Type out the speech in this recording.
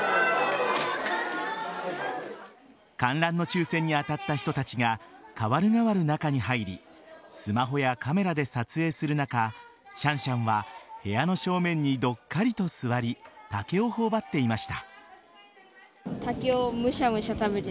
観覧の抽選に当たった人たちが代わる代わる中に入りスマホやカメラで撮影する中シャンシャンは部屋の正面にどっかりと座り竹を頬張っていました。